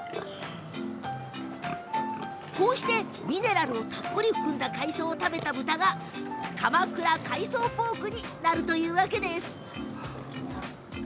こうしてミネラルをたっぷり含んだ海藻を食べた豚が鎌倉海藻ポークになるというわけです。